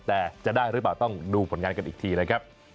แต่จะได้หรือเปล่าต้องดูผลงานกันอีกทีนะครับ